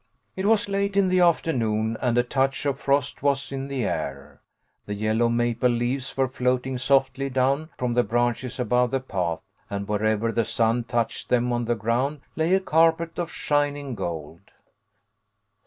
It was late in the afternoon and a touch of frost was in the air. The yellow maple leaves were floating softly down from the branches above the path, and wherever the sun touched them on the ground lay a carpet of shining gold.